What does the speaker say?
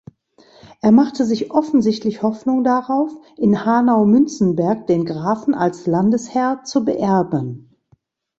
Er machte sich offensichtlich Hoffnung darauf, in Hanau-Münzenberg den Grafen als Landesherr zu beerben.